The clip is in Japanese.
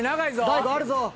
大悟あるぞ。